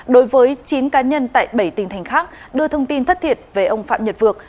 đối với chín cá nhân tại bảy tỉnh thành khác đưa thông tin thất thiệt về ông phạm nhật vược